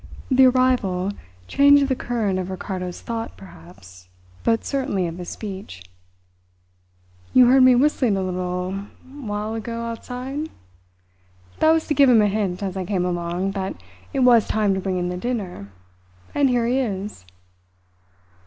The arrival changed the current of Ricardo's thought, perhaps, but certainly of his speech. "You heard me whistling a little while ago outside? That was to give him a hint, as I came along, that it was time to bring in the dinner; and here it is."